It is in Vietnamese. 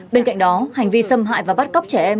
bên cạnh đó hành vi xâm hại và bắt cóc trẻ em